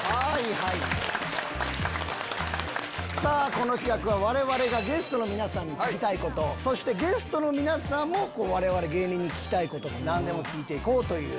この企画はわれわれがゲストの皆さんに聞きたいことそしてゲストの皆さんもわれわれ芸人に聞きたいこと何でも聞いていこうという。